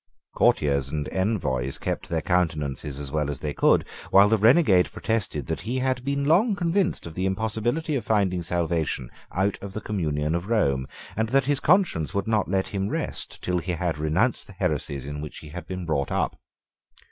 Courtiers and envoys kept their countenances as well as they could while the renegade protested that he had been long convinced of the impossibility of finding salvation out of the communion of Rome, and that his conscience would not let him rest till he had renounced the heresies in which he had been brought up.